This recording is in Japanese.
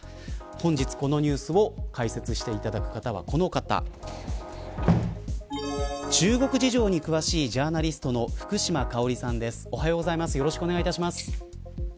本日、このニュースを解説していただくのはこの方中国事情に詳しいジャーナリストの福島香織さんです。